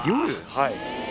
はい。